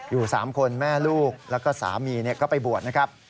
อยู่๓คนแม่ลูกแล้วก็สามีก็ไปบวชนะครับ